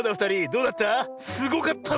どうだった？